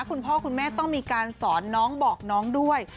คุณพ่อคุณแม่ต้องมีการสอนน้องบอกน้องด้วย